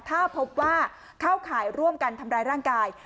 ถ้าพบว่าเข้าข่ายร่วมกันทำร้ายร่างกาย